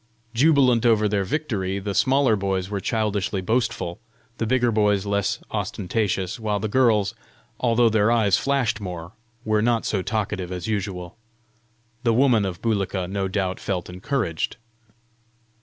Jubilant over their victory, the smaller boys were childishly boastful, the bigger boys less ostentatious, while the girls, although their eyes flashed more, were not so talkative as usual. The woman of Bulika no doubt felt encouraged.